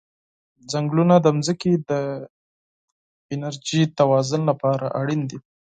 ځنګلونه د ځمکې د انرژی توازن لپاره اړین دي.